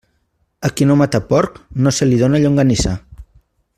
A qui no mata porc no se li dóna llonganissa.